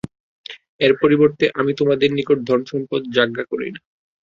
এর পরিবর্তে আমি তোমাদের নিকট ধন-সম্পদ যাজ্ঞা করি না।